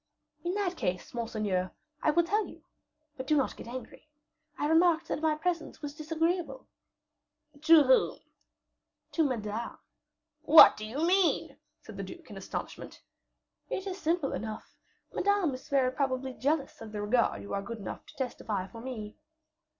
"In that case, monseigneur, I will tell you; but do not get angry. I remarked that my presence was disagreeable." "To whom?" "To Madame." "What do you mean?" said the duke in astonishment. "It is simple enough; Madame is very probably jealous of the regard you are good enough to testify for me."